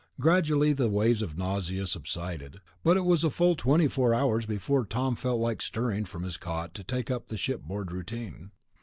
Gradually the waves of nausea subsided, but it was a full twenty four hours before Tom felt like stirring from his cot to take up the shipboard routine.